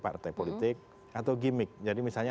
partai politik atau gimmick jadi misalnya